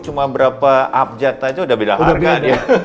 cuma berapa abjad aja udah beda harga dia